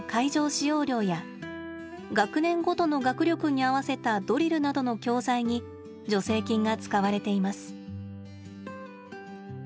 使用料や学年ごとの学力に合わせたドリルなどの教材に助成金が使われています。